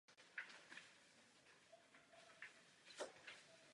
Vybojoval tak své první body ve světovém poháru.